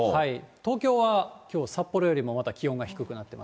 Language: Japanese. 東京はきょう札幌よりもまた気温が低くなってまして。